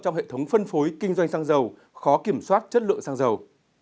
trong hệ thống phân phối kinh doanh xăng dầu khó kiểm soát chất lượng xăng dầu